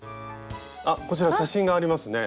あこちら写真がありますね。